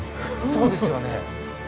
そうですよね。